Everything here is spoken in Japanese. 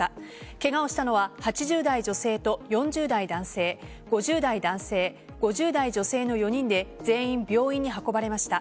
ケガをしたのは８０代女性と４０代男性５０代男性、５０代女性の４人で全員病院に運ばれました。